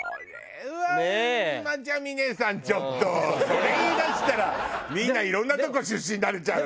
それ言いだしたらみんないろんなとこ出身になれちゃうわよ。